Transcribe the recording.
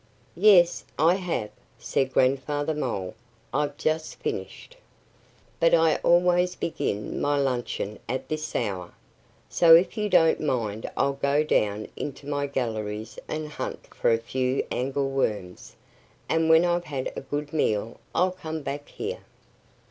"Yes, I have!" said Grandfather Mole. "I've just finished. But I always begin my luncheon at this hour. So if you don't mind I'll go down into my galleries and hunt for a few angleworms; and when I've had a good meal I'll come back here."